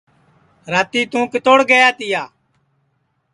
راتی توں کِتوڑ گیا تِیا